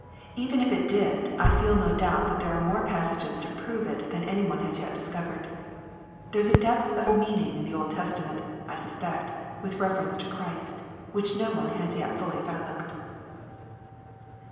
Even if it did, I feel no doubt that there are more passages to prove it than any one has yet discovered. There is a depth of meaning in the Old Testament, I suspect, with reference to Christ, which no one has yet fully fathomed.